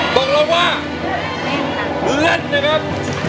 ตกลงว่าเล่นนะครับ